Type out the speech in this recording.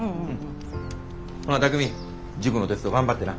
ほな巧海塾のテスト頑張ってな。